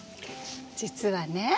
実はね